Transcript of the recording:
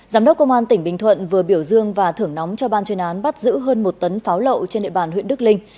giám đốc công an tỉnh bình thuận vừa biểu dương và thưởng nóng cho ban chuyên án bắt giữ hơn một tấn pháo lậu trên địa bàn huyện đức linh